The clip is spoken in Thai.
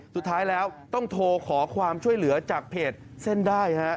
สุดท้ายแล้วต้องโทรขอความช่วยเหลือจากเพจเส้นได้ฮะ